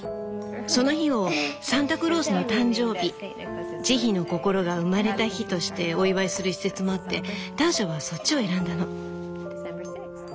その日を「サンタクロースの誕生日」「慈悲の心が生まれた日」としてお祝いする一説もあってターシャはそっちを選んだの。